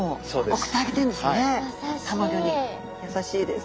優しいです。